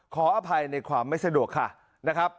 ขออภัยในความไม่สะดวกค่ะนะครับ